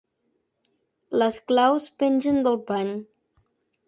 Les claus pengen del pany.